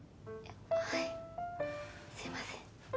やはいすみません。